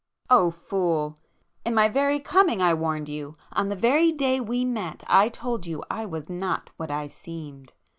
"O fool!—in my very coming I warned you!—on the very day we met I told you I was not what I seemed!